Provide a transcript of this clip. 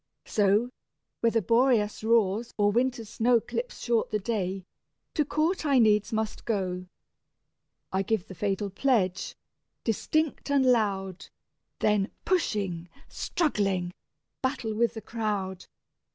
So, whether Boreas roars, or winter's snow Clips short the day, to court I needs must go. I give the fatal pledge, distinct and loud, Then pushing, struggling, battle with the crowd.